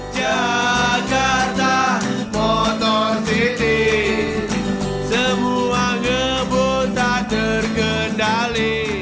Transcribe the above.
sepeda motor yang terkenal